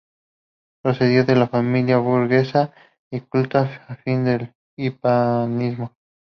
Procedía de una familia burguesa y culta afín al hispanismo.